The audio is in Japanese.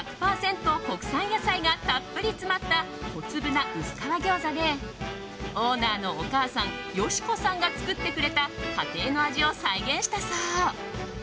国産野菜がたっぷり詰まった小粒な薄皮餃子でオーナーのお母さんよしこさんが作ってくれた家庭の味を再現したそう。